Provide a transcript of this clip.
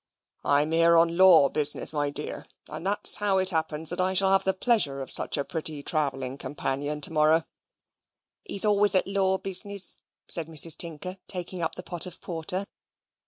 "I'm here on law business, my dear, and that's how it happens that I shall have the pleasure of such a pretty travelling companion to morrow." "He's always at law business," said Mrs. Tinker, taking up the pot of porter.